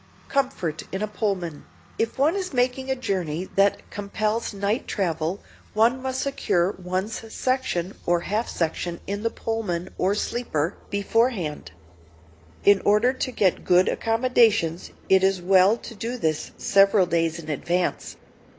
[Sidenote: COMFORT IN A PULLMAN] If one is making a journey that compels night travel, one must secure one's section or half section in the Pullman or sleeper beforehand. In order to get good accommodations it is well to do this several days in advance.